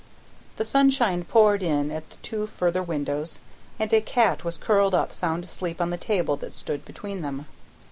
The sunshine poured in at the two further windows, and a cat was curled up sound asleep on the table that stood between them.